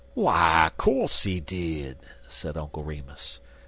"W'y co'se he did," said Uncle Remus.